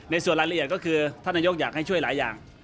ส่วนรายละเอียดก็คือท่านนายกอยากให้ช่วยหลายอย่าง